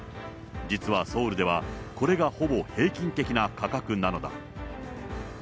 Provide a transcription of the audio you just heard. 実はソウルでは、これがほぼ平均的な価格なのだ。